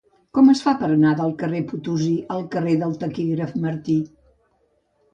Com es fa per anar del carrer de Potosí al carrer del Taquígraf Martí?